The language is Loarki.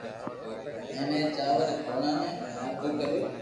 ھين اي چاور ري دوڻا ني آدو ڪريو